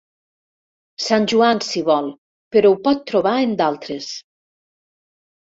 Sant Joan, si vol, però ho pot trobar en d'altres.